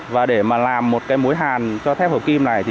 và để mà làm một cái mối hàn cho thép hầu kim này thì